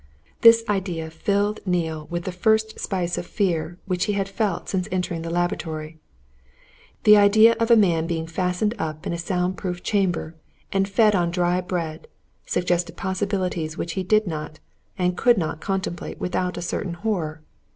This idea filled Neale with the first spice of fear which he had felt since entering the laboratory. The idea of a man being fastened up in a sound proof chamber and fed on dry bread suggested possibilities which he did not and could not contemplate without a certain horror.